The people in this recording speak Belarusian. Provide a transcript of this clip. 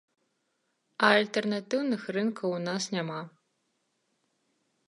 А альтэрнатыўных рынкаў у нас няма.